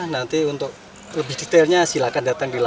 nanti untuk lebih detailnya silahkan datang di lapangan